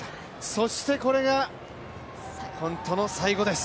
そしてこれが本当の最後です。